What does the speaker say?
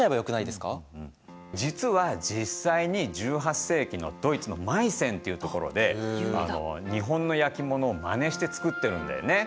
実は実際に１８世紀のドイツのマイセンっていう所で日本の焼き物をまねして作ってるんだよね。